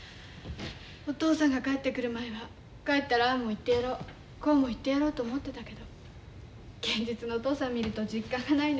お父さんが帰ってくる前は帰ったらああも言ってやろうこうも言ってやろうと思ってたけど現実のお父さん見ると実感がないのよね。